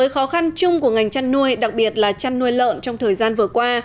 khó khăn chung của ngành chăn nuôi đặc biệt là chăn nuôi lợn trong thời gian vừa qua